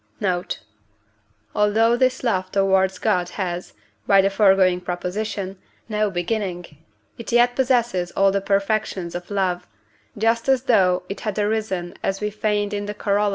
Note. Although this love towards God has (by the foregoing Prop.) no beginning, it yet possesses all the perfections of love, just as though it had arisen as we feigned in the Coroll.